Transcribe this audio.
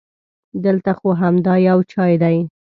دلته خو همدا یو چای دی.